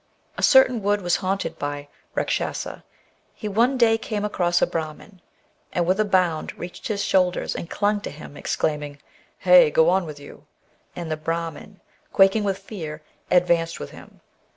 A certain wood was haunted by a Eakschasa ; he one day came across a Brahmin, and with a bound reached ORIGIN OF THE WERE WOLF MYTH. 179 his shoulders, and clung to them, exclaiming, " Heh ! go on with you !'* And the Brahmin, quaking with fear, advanced with him.